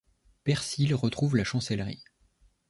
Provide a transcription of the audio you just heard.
Persil retrouve la Chancellerie.